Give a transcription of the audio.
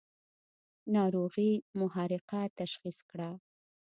ناروغي محرقه تشخیص کړه.